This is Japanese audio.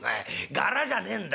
柄じゃねんだ